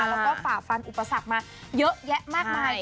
แล้วก็ฝ่าฟันอุปสรรคมาเยอะแยะมากมาย